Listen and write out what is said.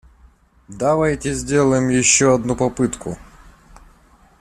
Давайте сделаем еще одну попытку!